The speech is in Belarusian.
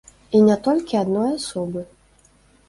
І не толькі адной асобы.